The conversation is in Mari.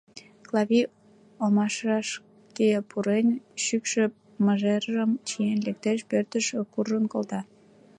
Клавий, омашышке пурен, шӱкшӧ мыжержым чиен лектеш, пӧртыш куржын колта.